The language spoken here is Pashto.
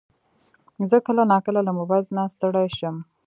زه کله ناکله له موبایل نه ستړی شم.